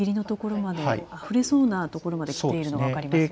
あふれそうなところまできていることが分かりますね。